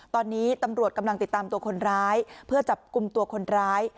ตอนนี้ตำรวจกำลังติดตามตัวคนร้ายเพื่อจับกลุ่มตัวคนร้าย